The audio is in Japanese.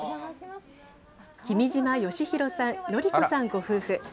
君島佳弘さん、紀子さんご夫婦。